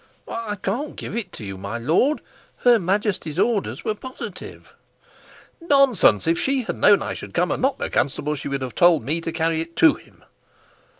"I can't give it you, my lord. Her Majesty's orders were positive." "Nonsense! If she had known I should come and not the constable, she would have told me to carry it to him."